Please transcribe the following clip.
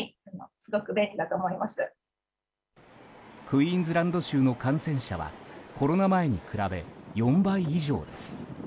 クイーンズランド州の感染者はコロナ前に比べ４倍以上です。